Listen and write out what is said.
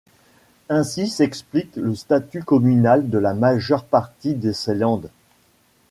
Ainsi s'explique le statut communal de la majeure partie de ces landes.